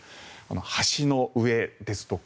橋の上ですとか